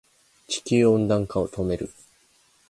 地球温暖化を止める